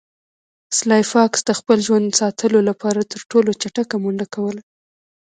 سلای فاکس د خپل ژوند ساتلو لپاره تر ټولو چټکه منډه کوله